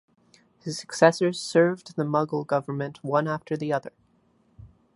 His successors served the Mughal government one after the other.